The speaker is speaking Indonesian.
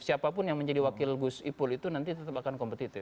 siapapun yang menjadi wakil gus ipul itu nanti tetap akan kompetitif